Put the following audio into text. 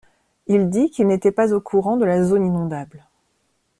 Il dit qu’il n'était pas au courant de la zone inondable.